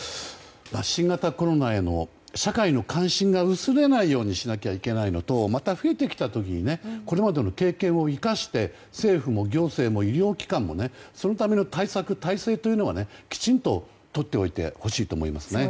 新型コロナへの社会の関心が薄れないようにしないといけないのとまた、増えてきた時これまでの経験を生かして政府も行政も医療機関もそのための対策・体制はきちんと取っておいてほしいと思います。